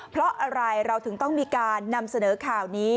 เพราะอะไรเราถึงต้องมีการนำเสนอข่าวนี้